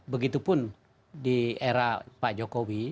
begitu pun di era pak jokowi